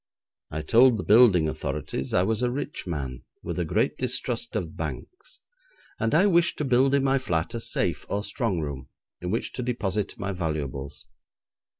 I told the building authorities I was a rich man with a great distrust of banks, and I wished to build in my flat a safe or strong room in which to deposit my valuables.